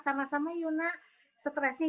sama sama yuk nak stresnya